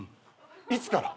いつから？